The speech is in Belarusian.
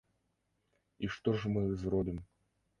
І што ж мы зробім?